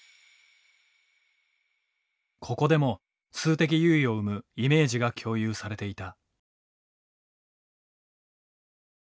ここでも数的優位を生むイメージが共有されていた。